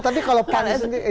tapi kalau pan sendiri